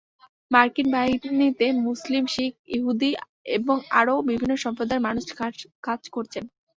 মার্কিন বাহিনীতে মুসলিম, শিখ, ইহুদি এবং আরও বিভিন্ন সম্প্রদায়ের মানুষ কাজ করছেন।